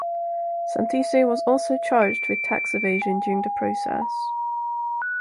Santiso was also charged with tax evasion during the process.